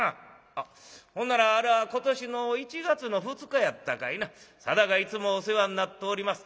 あっほんならあれは今年の１月の２日やったかいな『定がいつもお世話になっております。